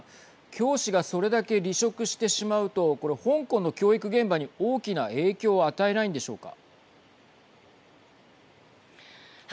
教師がそれだけ離職してしまうとこれ、香港の教育現場に大きな影響を与えないんでしょうか。